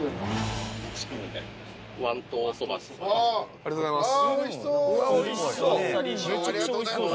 ありがとうございます。